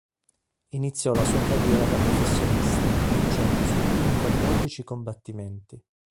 Iniziò la sua carriera da professionista vincendo i suoi primi quattordici combattimenti.